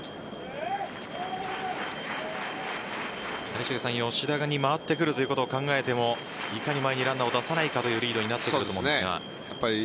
谷繁さん、吉田に回ってくるということを考えてもいかに、前にランナーを出さないかというリードになってくると思うんですが。